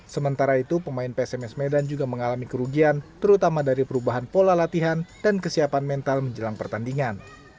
sementara itu pemain psms medan juga mengalami kerugian terutama dari perubahan pola latihan dan kesiapan mental menjelang pertandingan